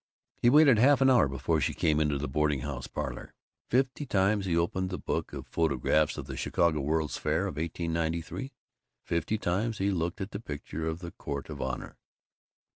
He waited half an hour before she came into the boarding house parlor. Fifty times he opened the book of photographs of the Chicago World's Fair of 1893, fifty times he looked at the picture of the Court of Honor.